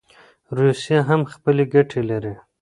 روسیه هم خپلي ګټي لري.